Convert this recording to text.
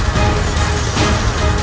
terima kasih ma'am